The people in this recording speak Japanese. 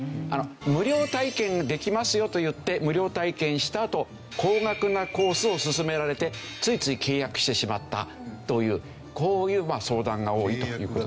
無料体験ができますよと言って無料体験したあと高額なコースを勧められてついつい契約してしまったというこういう相談が多いという事。